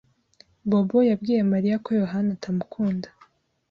Bobo yabwiye Mariya ko Yohana atamukunda.